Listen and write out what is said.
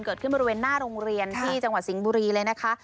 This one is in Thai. เกิดขึ้นบริเวณหน้าโรงเรียนที่จังหวัดสิงห์บุรีเลยนะคะ